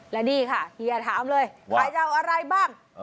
และนี่ค่ะเฮียถามเลยขายจะเอาอะไรบ้าง